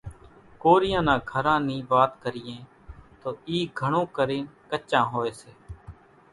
ڪوريان نان گھران نِي وات ڪريئين تو اِي گھڻون ڪرينَ ڪچان هوئيَ سي۔